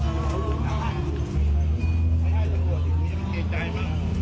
เอาขอบคุณยายก่อน